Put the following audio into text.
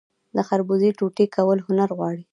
د خربوزې ټوټې کول هنر غواړي.